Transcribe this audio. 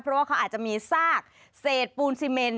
เพราะว่าเขาอาจจะมีซากเศษปูนซีเมน